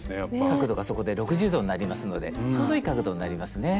角度がそこで６０度になりますのでちょうどいい角度になりますね。